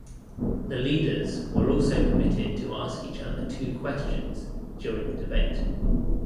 The leaders were also permitted to ask each other two questions during the debate.